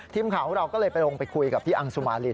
ทีมข่าวของเราก็เลยไปลงไปคุยกับพี่อังสุมาริน